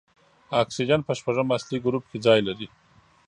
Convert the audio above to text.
اکسیجن په شپږم اصلي ګروپ کې ځای لري.